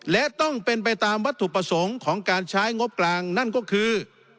และต้องเป็นไปตามวัตถุประสงค์ของการใช้งบกลางนั่นก็คือ